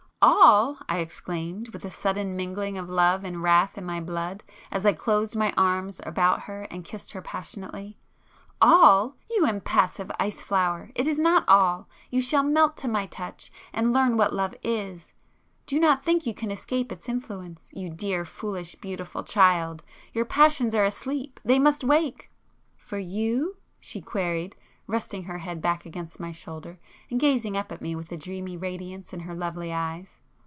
"All!" I exclaimed, with a sudden mingling of love and wrath in my blood, as I closed my arms about her and kissed her passionately—"All!—you impassive ice flower, it is not all!—you shall melt to my touch and learn what love is,—do not think you can escape its influence, you dear, foolish, beautiful child! Your passions are asleep,—they must wake!" "For you?" she queried, resting her head back against my shoulder, and gazing up at me with a dreamy radiance in her lovely eyes.